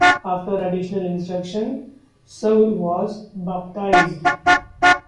After additional instruction, Saul was baptized.